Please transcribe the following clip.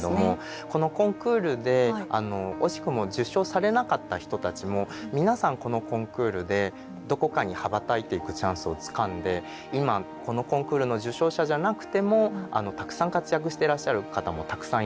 このコンクールで惜しくも受賞されなかった人たちも皆さんこのコンクールでどこかに羽ばたいていくチャンスをつかんで今このコンクールの受賞者じゃなくてもたくさん活躍してらっしゃる方もたくさんいるんですね。